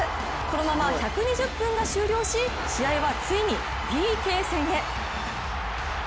このまま１２０分が終了し試合はついにＰＫ戦へ。